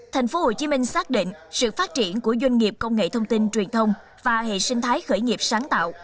tp hcm xác định sự phát triển của doanh nghiệp công nghệ thông tin truyền thông và hệ sinh thái khởi nghiệp sáng tạo